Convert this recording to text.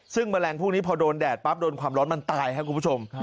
ซึ่งแมลงพวกนี้พอโดนแดดปั๊บโดนความร้อนมันตายครับคุณผู้ชม